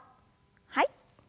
はい。